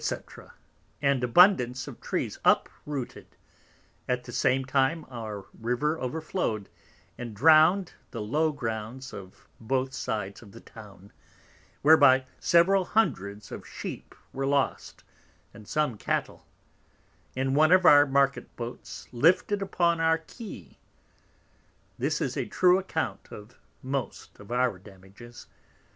_ and abundance of Trees unrooted: at the same time our River overflowed, and drowned the low Grounds of both Sides the Town, whereby several Hundreds of Sheep were lost, and some Cattle; and one of our Market Boats lifted upon our Key. This is a true Account of most of our Damages.